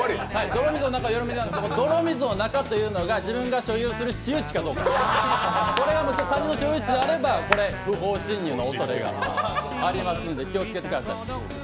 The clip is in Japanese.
泥水の中というのが自分が所有する私有地かどうか、これが他人の所有地であれば不法侵入のおそれがあるので気をつけてください。